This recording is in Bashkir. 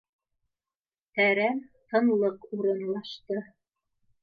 Тәрән тынлыҡ урынлашты